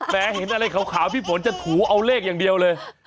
เห็นอะไรขาวพี่ฝนจะถูเอาเลขอย่างเดียวเลย